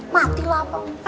mati lah pak